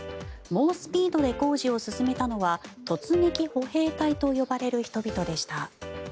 猛スピードで工事を進めたのは突撃歩兵隊と呼ばれる人々でした。